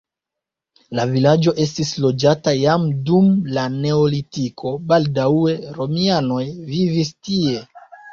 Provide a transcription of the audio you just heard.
La vilaĝo estis loĝata jam dum la neolitiko, baldaŭe romianoj vivis tie.